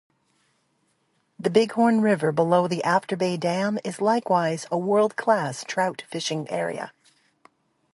The Bighorn River below the Afterbay Dam is likewise a world-class trout fishing area.